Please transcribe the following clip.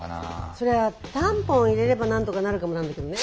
そりゃタンポン入れればなんとかなるかもなんだけどね。